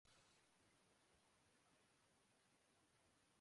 euro cup میں Italy اور England مشکل میں